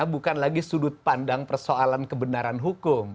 bukan lagi sudut pandang persoalan kebenaran hukum